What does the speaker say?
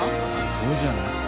そうじゃない？